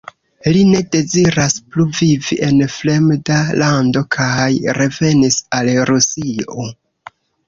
Li ne deziras plu vivi en fremda lando kaj revenis al Rusio.